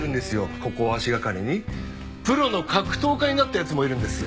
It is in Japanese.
ここを足掛かりにプロの格闘家になった奴もいるんですよ。